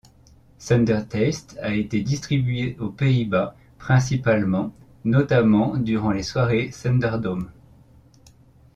Thundertaste a été distribuée aux Pays-Bas principalement, notamment durant les soirées Thunderdome.